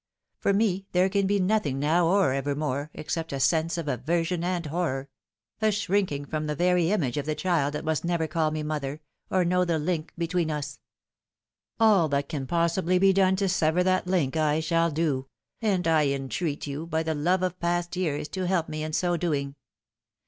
For me there can be nothing now or ever more, except a sense of aversion and horror a shrinking from the very image of the child that must never call me mother, or know the link between us. Afl that can possibly be done to sever that link I shall do ; and I entreat you, by the love of past years, to help me in so doing.